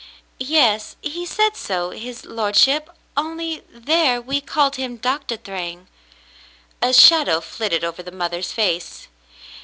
"Yes, he said so — his lordship — only there we called him Doctah Thryng." A shadow flitted over the mother's face.